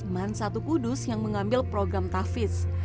man satu kudus yang mengambil program tafis